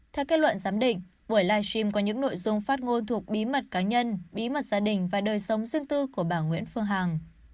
theo kết luận giám định buổi live stream có những nội dung phát ngôn thuộc bí mật cá nhân bí mật gia đình và đời sống riêng tư của bà nguyễn phương hằng